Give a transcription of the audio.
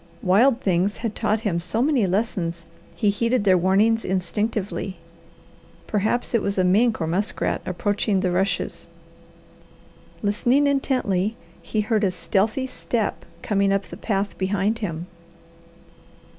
Wild things had taught him so many lessons he heeded their warnings instinctively. Perhaps it was a mink or muskrat approaching the rushes. Listening intently, he heard a stealthy step coming up the path behind him.